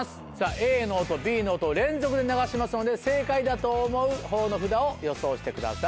Ａの音Ｂの音連続で流しますので正解だと思う方の札を予想してください。